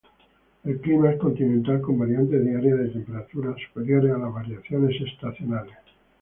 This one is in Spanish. El clima es continental con variaciones diarias de temperatura superiores a las variaciones estacionales.